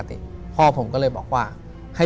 ถูกต้องไหมครับถูกต้องไหมครับ